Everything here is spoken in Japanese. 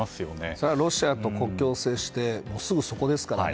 それは、ロシアと国境を接してすぐそこですからね。